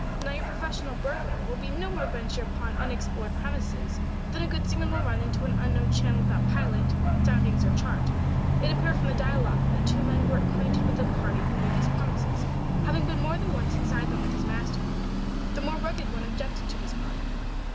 Now your professional burglar will no more venture upon unexplored premises than a good seaman will run into an unknown channel without pilot, soundings or chart. It appeared from the dialogue that the two men were acquainted with a party who knew these premises, having been more than once inside them with his master. The more rugged one objected to this party.